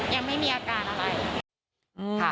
ยังไม่มีอาการอะไร